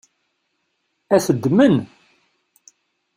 Ad t-ddmen?